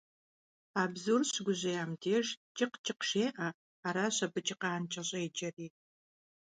А бзур щыгужьеям деж «чыкъ-чыкъ» жеӀэ, аращ абы чыкъанкӀэ щӀеджэри.